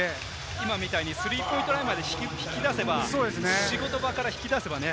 今みたいにスリーポイントラインまで引き出せば、仕事場から引き出せばね。